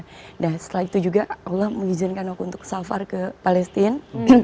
nah setelah itu juga allah mengizinkan aku untuk safar ke palestine